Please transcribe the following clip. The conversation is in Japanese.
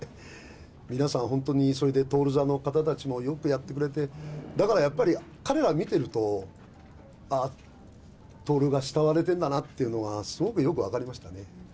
皆さん本当にそれで徹座の方たちもよくやってくれて、だからやっぱり、彼ら見てると、徹が慕われてるんだなっていうのが、すごくよく分かりましたね。